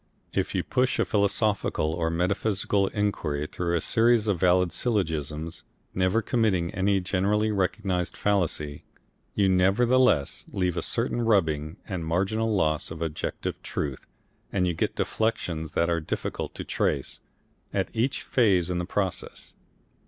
If you push a philosophical or metaphysical inquiry through a series of valid syllogisms never committing any generally recognised fallacy you nevertheless leave a certain rubbing and marginal loss of objective truth and you get deflections that are difficult to trace, at each phase in the process.